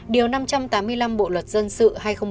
điều năm trăm tám mươi năm bộ luật dân sự hai nghìn một mươi năm